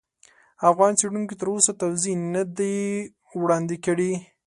افغان څېړونکو تر اوسه توضیح نه دي وړاندې کړي.